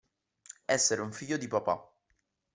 Essere un figlio di papà.